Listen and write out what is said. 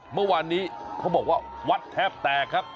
เมื่อวานนี้เขาบอกว่าวัดแทบแตกครับ